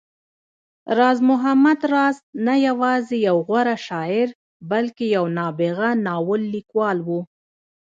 راز محمد راز نه يوازې يو غوره شاعر، بلکې يو نابغه ناول ليکوال و